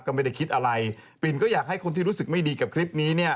ก็ไม่ได้คิดอะไรปิ่นก็อยากให้คนที่รู้สึกไม่ดีกับคลิปนี้เนี่ย